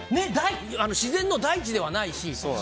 自然の大地ではないし。